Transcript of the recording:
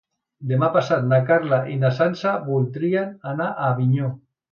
Demà passat na Carla i na Sança voldrien anar a Avinyó.